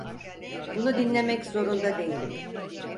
Bunu dinlemek zorunda değilim.